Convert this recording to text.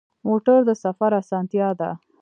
موټر د سفر اسانتیا ده.